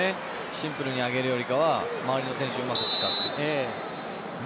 シンプルに上げるよりかは周りの選手をうまく使って。